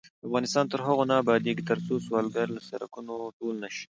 افغانستان تر هغو نه ابادیږي، ترڅو سوالګر له سړکونو ټول نشي.